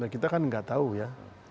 kita kan nggak tahu ya